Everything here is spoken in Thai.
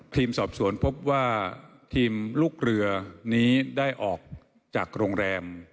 ทีมสอบสวนพบว่าทีมลูกเรือนี้ได้ออกจากโรงแรม